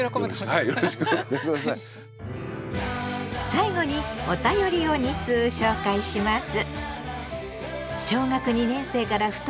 最後にお便りを２通紹介します。